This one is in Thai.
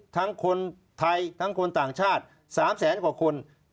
ทั้งคนไทยทั้งคนต่างชาติ๓แสนกว่าคน